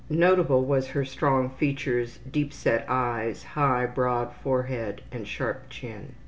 Notable was her strong features, deep set eyes, high, broad forehead and sharp chin.